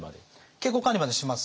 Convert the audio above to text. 健康管理までします。